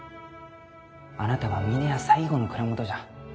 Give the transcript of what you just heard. あなたは峰屋最後の蔵元じゃ。